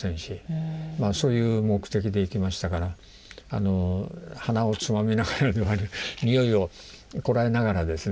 そういう目的で行きましたから鼻をつまみながら臭いをこらえながらですね